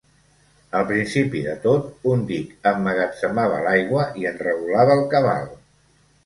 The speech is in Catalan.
Al principi de tot, un dic emmagatzemava l'aigua i en regulava el cabal.